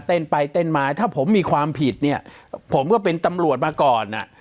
เต้นไปเต้นมาถ้าผมมีความผิดเนี่ยผมก็เป็นตำรวจมาก่อนอ่ะ